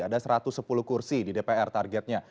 ada satu ratus sepuluh kursi di dpr targetnya